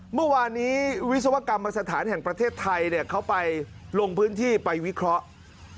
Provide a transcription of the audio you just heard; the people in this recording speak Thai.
เมื่อวานนี้วิศวกรรมสถานแห่งประเทศไทยเขาไปลงพื้นที่ไปวิเคราะห์